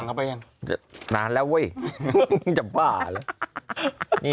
อุ๊ยให้คิดกันเอาเอง